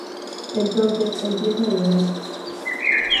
Entonces empieza a llorar.